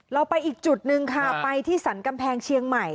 เราไปอีกจุดหนึ่งค่ะไปที่สรรกำแพงเชียงใหม่